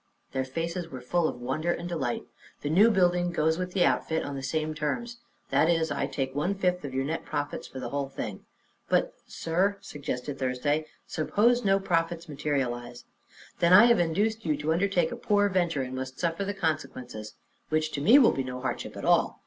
Their faces were full of wonder and delight. "The new building goes with the outfit, on the same terms," continued Mr. Merrick. "That is I take one fifth of your net profits for the whole thing." "But, sir," suggested Thursday, "suppose no profits materialize?" "Then I have induced you to undertake a poor venture and must suffer the consequences, which to me will be no hardship at all.